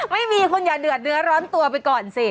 ไม่มีคุณอย่าเดือดเนื้อร้อนตัวไปก่อนสิ